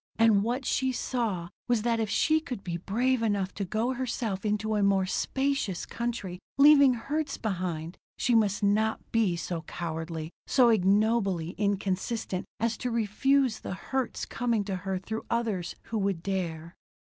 And what she saw was that if she could be brave enough to go herself into a more spacious country, leaving hurts behind, she must not be so cowardly, so ignobly inconsistent as to refuse the hurts coming to her through others who would dare.